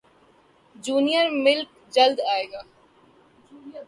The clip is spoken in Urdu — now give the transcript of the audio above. جونیئر ملک جلد ائے گا